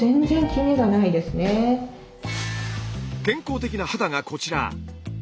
健康的な肌がこちら。